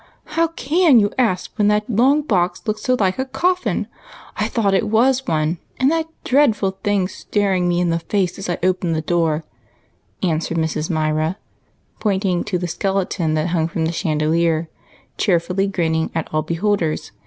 *'How can you ask when that long box looks so like a coffin I thought it was one, and that dreadful thing stared me in the fice as I opened the door," answered Mrs. Myra, pointing to the skeleton that hung from the chandelier cheerfully grinning at all beholders.